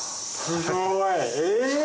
すごい！え！